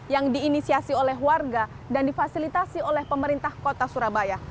yang diinisiasi oleh warga dan difasilitasi oleh pemerintah kota surabaya